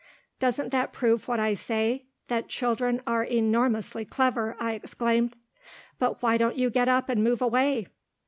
"Doesn't that prove what I say, that children are enormously clever," I exclaimed, "but why don't you get up, and move away?"